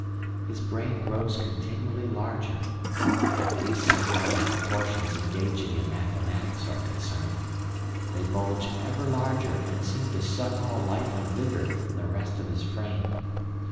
His brain grows continually larger, at least so far as the portions engaging in mathematics are concerned; they bulge ever larger and seem to suck all life and vigour from the rest of his frame.